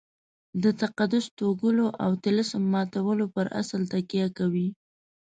د تقدس توږلو او طلسم ماتولو پر اصل تکیه کوي.